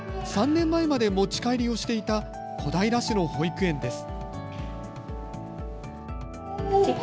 ３年前まで持ち帰りをしていた小平市の保育園です。